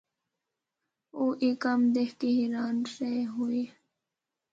اُو اے کمّ دکھ کے حیران رہ ہوئے۔